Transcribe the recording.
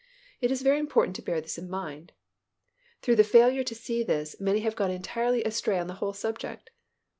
It is very important to bear this in mind. Through the failure to see this, many have gone entirely astray on the whole subject.